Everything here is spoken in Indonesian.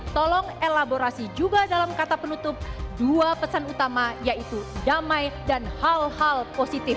tolong elaborasi juga dalam kata penutup dua pesan utama yaitu damai dan hal hal positif